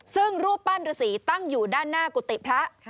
ซึ่งรูปปั้นฤษีตั้งอยู่ด้านหน้ากุฏิพระ